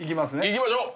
いきましょう！